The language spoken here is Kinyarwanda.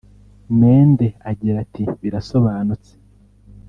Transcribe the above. Mende agira ati « Birasonutse